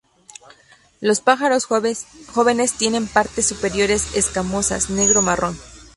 Los pájaros jóvenes tienen partes superiores escamosas negro-marrón.